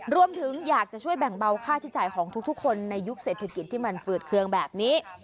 รวมถึงอยากจะช่วยแบ่งเบาค่าใช้จ่ายของทุกคนในยุคเศรษฐกิจที่มันฝืดเคืองแบบนี้